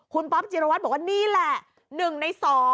คุณป๊อปจิรวัตรบอกว่านี่แหละ๑ใน๒